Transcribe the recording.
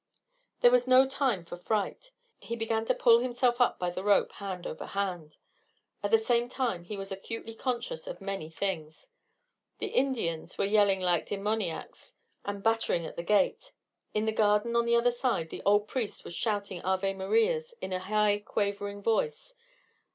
There was no time for fright. He began to pull himself up by the rope, hand over hand. At the same time he was acutely conscious of many things. The Indians were yelling like demoniacs and battering at the gate. In the garden on the other side, the old priest was shouting Ave Marias in a high quavering voice.